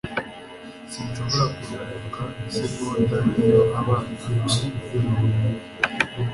Sinshobora kuruhuka isegonda iyo abana bari murugo.